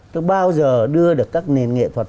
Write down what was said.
tôi bao giờ đưa được các nền nghệ thuật